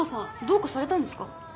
どうかされたんですか？